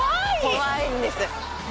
怖いんです